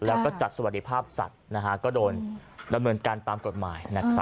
แล้วก็จัดสวัสดิภาพสัตว์ก็โดนดำเนินการตามกฎหมายนะครับ